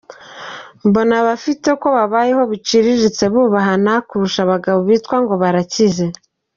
Mbona Abafite uko babayeho biciriritse bubahana kurusha abagabo bitwa ngo barakize.